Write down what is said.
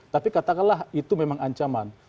tapi katakanlah itu memang ancaman